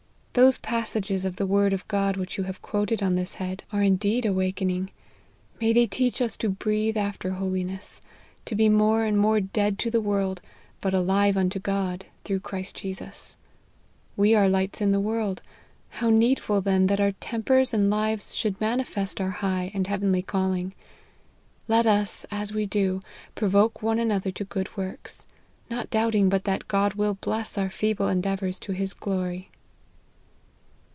Those passages of the word of God which you have quoted on this head, are n B2 18 LIFE OF HENRY MARTYN. deed awakening ; may they teach us to breathe after holiness, to be more and more dead to the world, but alive unto God, through Jesus Christ: We are lights in the world ; how needful then that our tempers and lives should manifest our high and heavenly calling. Let us, as we do, provoke one another to good works, not doubting but that God will bless our feeble endeavours to his glory."